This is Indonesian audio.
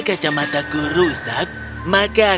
kita tidak punya waktu seharian